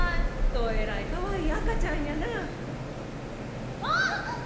どえらいかわいい赤ちゃんやなわぁ！